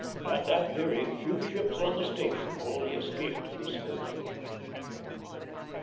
At that period few ships on the station wholly escaped this scourge.